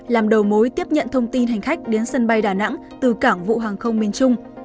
làm đầu mối tiếp nhận thông tin hành khách đến sân bay đà nẵng từ cảng vụ hàng không miền trung